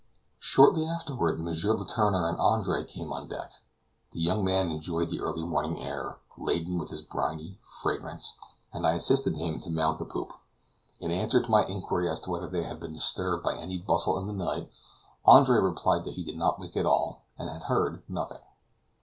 Shortly afterward M. Letourneur and Andre came on deck. The young man enjoyed the early morning air, laden with its briny fragrance, and I assisted him to mount the poop. In answer to my inquiry as to whether they had been disturbed by any bustle in the night, Andre replied that he did not wake at all, and had heard nothing.